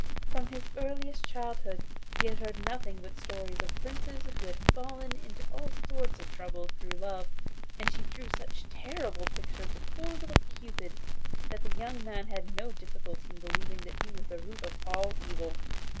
From his earliest childhood he heard nothing but stories of princes who had fallen into all sorts of troubles through love; and she drew such terrible pictures of poor little Cupid that the young man had no difficulty in believing that he was the root of all evil.